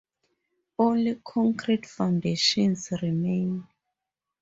Only concrete foundations remain.